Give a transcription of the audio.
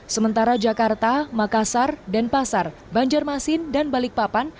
sementara jakarta makassar denpasar banjarmasin dan balikpapan